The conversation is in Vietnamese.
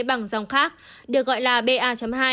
bằng dòng khác được gọi là ba hai